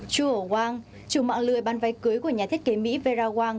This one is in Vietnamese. chú hổ wang chủ mạng lười bán váy cưới của nhà thiết kế mỹ vera wang